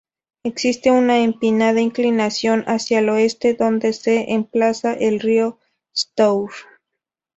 Existe una empinada inclinación hacia el oeste, donde se emplaza el río Stour.